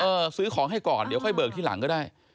ซื้อของให้ก่อนเดี๋ยวค่อยเบิกที่หลังก็ได้